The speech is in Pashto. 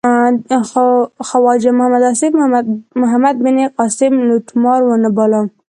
خو خواجه محمد آصف محمد بن قاسم لوټمار و نه باله.